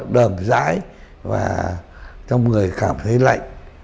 đầm giãi và trong người cảm thấy lạnh